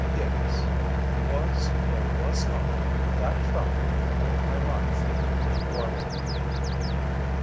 "Hicks, was, or was not, that trout you gave my wife, wormy?"